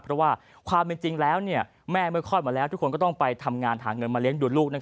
เพราะว่าความเป็นจริงแล้วแม่เมื่อคลอดมาแล้วทุกคนก็ต้องไปทำงานหาเงินมาเลี้ยงดูลูก